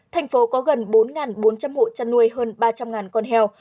tp hcm có gần bốn bốn trăm linh hộ chăn nuôi hơn ba trăm linh con heo